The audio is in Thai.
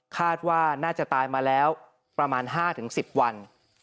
คาดว่าน่าจะตายมาแล้วประมาณ๕๑๐วัน